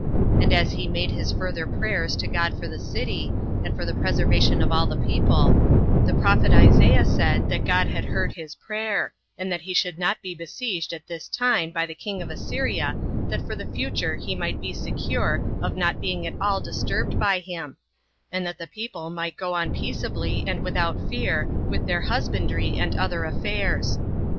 And as he made his further prayers to God for the city, and for the preservation of all the people, the prophet Isaiah said that God had heard his prayer, and that he should not be besieged at this time by the king of Assyria 2 that for the future he might be secure of not being at all disturbed by him; and that the people might go on peaceably, and without fear, with their husbandry and other affairs.